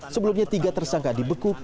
sebelumnya tiga tersangka di bekuk